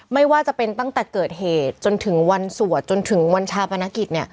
ไม่ว่าจะเป็นตั้งแต่เกิดเหตุจนถึงวันสวดจนถึงวันชาปนกิจ